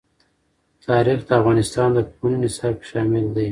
تاریخ د افغانستان د پوهنې نصاب کې شامل دي.